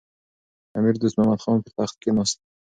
امیر دوست محمد خان پر تخت کښېناست.